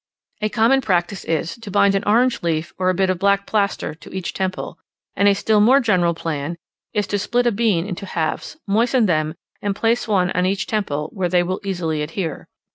A common practice is, to bind an orange leaf or a bit of black plaster to each temple: and a still more general plan is, to split a bean into halves, moisten them, and place one on each temple, where they will easily adhere.